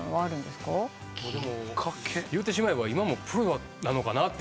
でも言うてしまえば今もプロなのかなと。